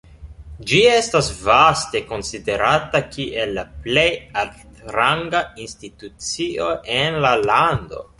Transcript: Ĝi estas vaste konsiderata kiel la plej altranga institucio en la lando.